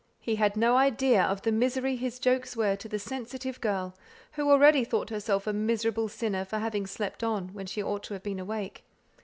He had no idea of the misery his jokes were to the sensitive girl, who already thought herself a miserable sinner, for having slept on, when she ought to have been awake.